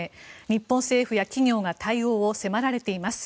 日本政府や企業が対応を迫られています。